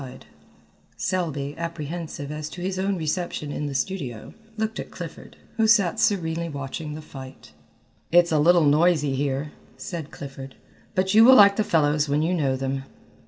Selby, apprehensive as to his own reception in the studio, looked at Clifford, who sat serenely watching the fight. "It's a little noisy here," said Clifford, "but you will like the fellows when you know them."